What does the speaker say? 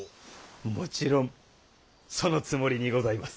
もちろんそのつもりにございます。